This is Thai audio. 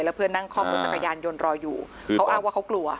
เพื่อนนั่งคล่อมรถจักรยานยนต์รออยู่เขาอ้างว่าเขากลัว